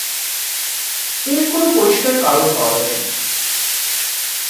এর কোনো পরিষ্কার কারণ পাওয়া যায়নি।